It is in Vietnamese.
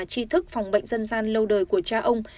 chi thức phòng bệnh dân gian lâu đời của cha ông